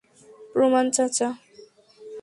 প্রণাম, চাচা।